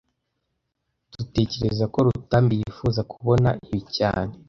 Dutekereza ko Rutambi yifuza kubona ibi cyane